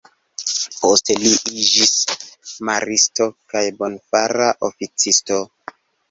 Poste, li iĝis Maristo kaj Bonfara Oficisto.